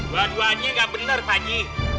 dua duanya nggak benar pak haji